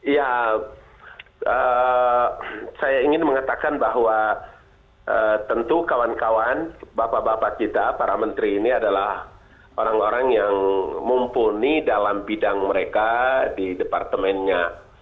ya saya ingin mengatakan bahwa tentu kawan kawan bapak bapak kita para menteri ini adalah orang orang yang mumpuni dalam bidang mereka di departemennya